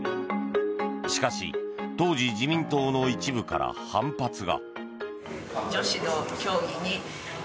しかし当時自民党の一部から反発が。